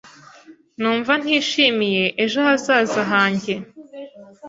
Numva ntishimiye ejo hazaza hanjye.